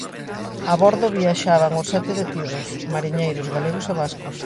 A bordo viaxaban os sete detidos, mariñeiros galegos e vascos.